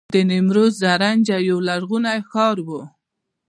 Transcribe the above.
د نیمروز زرنج یو لرغونی ښار و